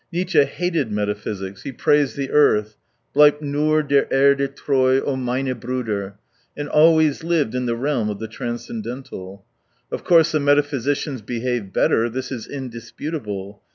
Nietzsche hated metaphysics, he praised the earth — bleib nur der Erde treu, meine Bfuder — and always lived in the realm of the transcen dental. Of course the metaphysicians be have better : this is indisputable.